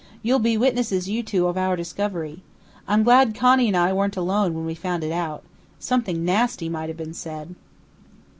You'll be witnesses, you two, of our discovery. I'm glad Connie and I weren't alone when we found it out. Something nasty might have been said."